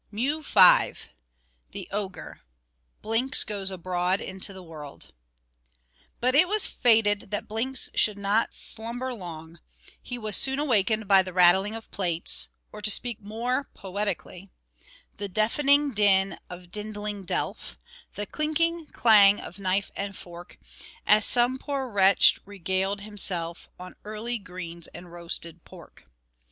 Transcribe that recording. MEW V. The Ogre. Blinks Goes Abroad into the World. But it was fated that Blinks should not slumber long; he was soon awakened by the rattling of plates; or, to speak more poetically, The deafening din of dindling delf, The clinking clang of knife and fork, As some poor wretch regaled himself On early greens and roasted pork.